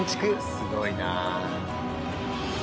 すごいなあ。